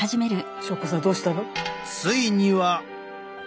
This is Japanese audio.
翔子さんどうしたの？